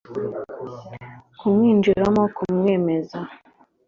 kumwinjiramo kumwemeza